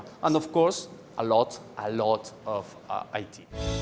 dan tentu saja banyak banyak it